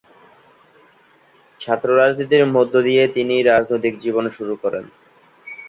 ছাত্র রাজনীতির মধ্য দিয়ে তিনি রাজনৈতিক জীবন শুরু করেন।